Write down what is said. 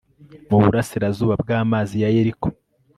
mu burasirazuba bw'amazi ya yeriko